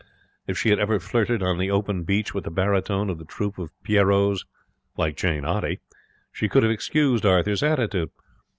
If she had ever flirted on the open beach with the baritone of the troupe of pierrots, like Jane Oddy, she could have excused Arthur's attitude.